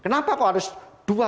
kenapa harus dua